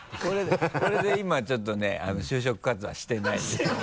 これで今ちょっとね就職活動はしてないっていうね。